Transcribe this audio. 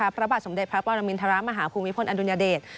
พระบาทสมเด็จพระปรมินทรมาฮภูมิพลอดุลยเดช